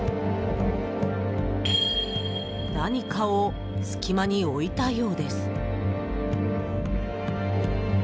何かを隙間に置いたようです。